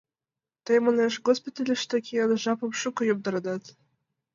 — Тый, манеш, госпитальыште киен, жапым шуко йомдаренат.